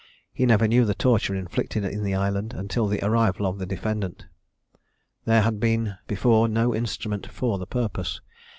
He never knew the torture inflicted in the island, until the arrival of the defendant. There had been before no instrument for the purpose.